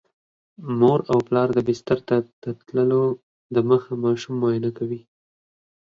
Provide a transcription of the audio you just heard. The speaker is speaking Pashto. مور او پلار د بستر ته تللو دمخه ماشوم معاینه کوي.